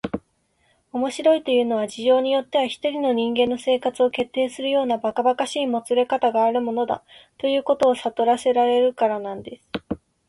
「面白いというのは、事情によっては一人の人間の生活を決定するようなばかばかしいもつれかたがあるものだ、ということをさとらせられるからなんです」